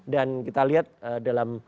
dan kita lihat dalam